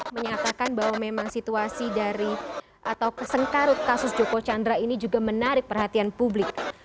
menyatakan bahwa memang situasi dari atau kesengkarut kasus joko chandra ini juga menarik perhatian publik